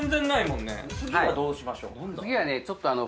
次はどうしましょう？